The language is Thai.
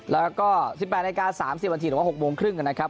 แล้วก็๑๘นาที๓๐นาทีหรือว่า๖โมงครึ่งนะครับ